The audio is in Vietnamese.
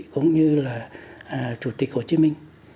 cũng như là chủ tịch hồ chí minh